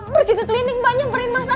pergi ke klinik banyak beri masalah